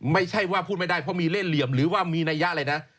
ไม่ใช่ว่าพูดไม่ได้เพราะมีเล่นเหลี่ยมหรือว่ามีนัยยะเลยนะ